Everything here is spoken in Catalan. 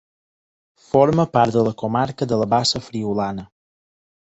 Forma part de la comarca de la Bassa Friülana.